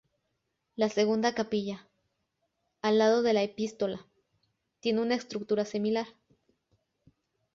La segunda capilla, al lado de la Epístola, tiene una estructura similar.